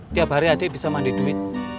tiap hari adik bisa mandi duit